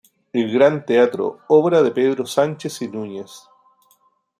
El Gran Teatro, obra de Pedro Sánchez y Núñez.